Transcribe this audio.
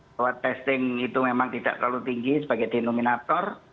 bahwa testing itu memang tidak terlalu tinggi sebagai denominator